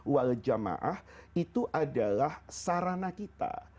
wal jamaah itu adalah sarana kita